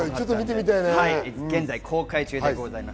現在公開中です。